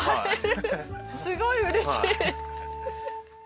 すごいうれしい！